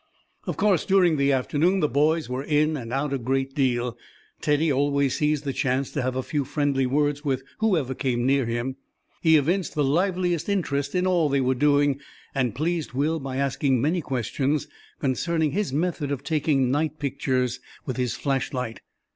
Of course during the afternoon the boys were in and out a great deal. Teddy always seized the chance to have a few friendly words with whoever came near him. He evinced the liveliest interest in all they were doing, and pleased Will by asking many questions concerning his method of taking night pictures with his flashlight.